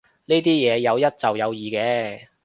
呢啲嘢有一就有二嘅